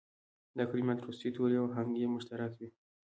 دا کلمات وروستي توري او آهنګ یې مشترک وي.